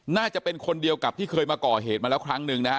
น่าจะเป็นคนเดียวกับที่เคยมาก่อเหตุมาแล้วครั้งหนึ่งนะฮะ